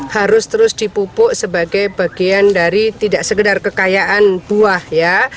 harus terus dipupuk sebagai bagian dari tidak sekedar kekayaan buah ya